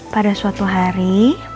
pada suatu hari